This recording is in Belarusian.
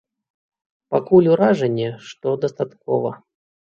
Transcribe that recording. Пакуль ўражанне, што дастаткова.